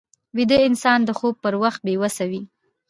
ویده انسان د خوب پر وخت بې وسه وي